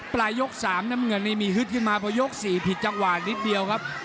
ปลายยก๓น้ำเงินนี่มีฮึดขึ้นมาพอยก๔ผิดจังหวะนิดเดียวครับ